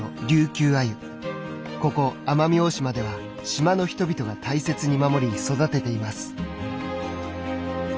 ここ奄美大島では島の人々が大切に守り育てています。